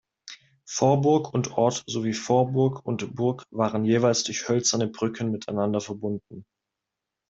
Vorburg und Ort sowie Vorburg und Burg waren jeweils durch hölzerne Brücken miteinander verbunden.